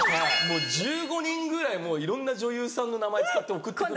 １５人ぐらいいろんな女優さんの名前使って送って来るんですよ。